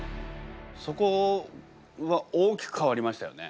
そこは大きく変わりましたよね。